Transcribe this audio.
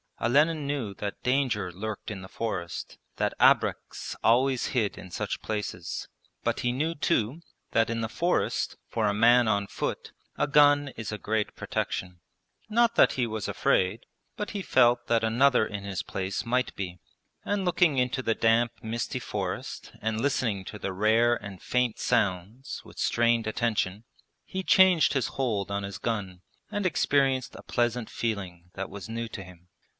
Olenin knew that danger lurked in the forest, that abreks always hid in such places. But he knew too that in the forest, for a man on foot, a gun is a great protection. Not that he was afraid, but he felt that another in his place might be; and looking into the damp misty forest and listening to the rare and faint sounds with strained attention, he changed his hold on his gun and experienced a pleasant feeling that was new to him.